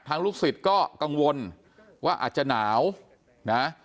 ลูกศิษย์ก็กังวลว่าอาจจะหนาวนะ